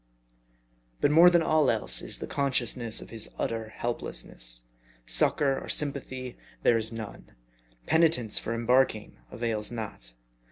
But more than all else is the consciousness of his utter helplessness. Succor or sympathy there is none. Penitence for embarking avails not.